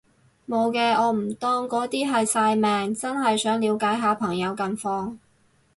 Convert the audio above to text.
無嘅，我唔當嗰啲係曬命，真係想了解下朋友近況